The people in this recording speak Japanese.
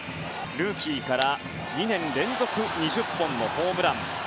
ルーキーから２年連続２０本のホームラン。